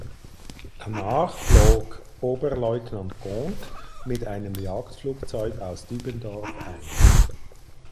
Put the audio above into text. Danach flog Oberleutnant Comte mit einem Jagdflugzeug aus Dübendorf ein.